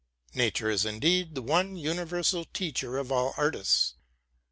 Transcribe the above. Nature is indeed the one universal teacher of all artists.